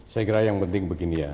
saya kira yang penting begini ya